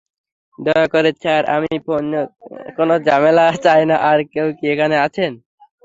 দয়া করে স্যার আমি কোন ঝামেলা চাইনা আর কেউ কি এখানে আছেন?